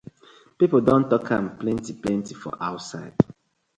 Pipu don tok am plenty plenty for outside.